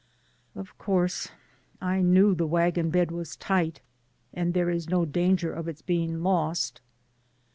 Of course, I knew the wagon bed was tight, and there is no danger of its being lost.